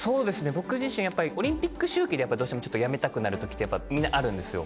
僕自身やっぱりオリンピック周期でどうしてもちょっと辞めたくなる時ってみんなあるんですよ